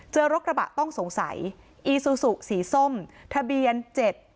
เจอรถกระบะต้องสงสัยอีซูซูสีส้มทะเบียนเจ็ด